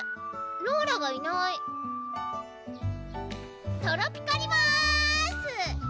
ローラがいないトロピカります！